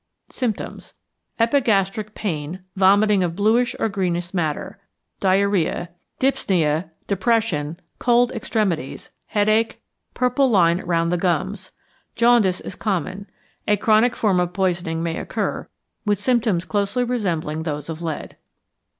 Symptoms. Epigastric pain, vomiting of bluish or greenish matter, diarrhoea. Dyspnoea, depression, cold extremities, headache, purple line round the gums. Jaundice is common. A chronic form of poisoning may occur, with symptoms closely resembling those of lead.